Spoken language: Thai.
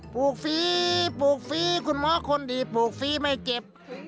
ปลูกฝีปลูกฝีคุณหมอคนดีปลูกฝีไม่เจ็บ